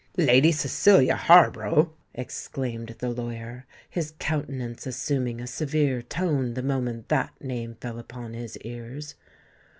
"Lady Cecilia Harborough!" exclaimed the lawyer, his countenance assuming a severe tone the moment that name fell upon his ears.